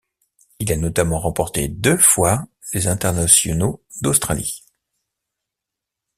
Il a notamment remporté deux fois les Internationaux d'Australie.